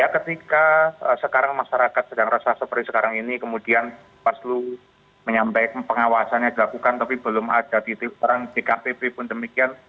ketika sekarang masyarakat sedang rasa seperti sekarang ini kemudian paslu menyampaikan pengawasannya dilakukan tapi belum ada orang dkpp pun demikian